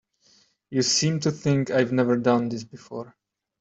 You seem to think I've never done this before.